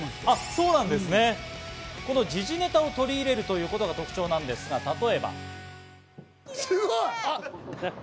この時事ネタを取り入れるということが特徴なんですが、例えば。